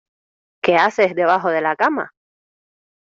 ¿ Qué haces debajo de la cama?